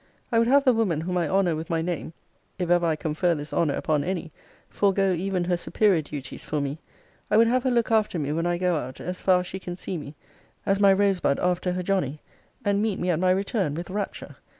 I would have the woman whom I honour with my name, if ever I confer this honour upon any, forego even her superior duties for me. I would have her look after me when I go out as far as she can see me, as my Rosebud after her Johnny; and meet me at my return with rapture.